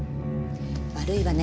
悪いわね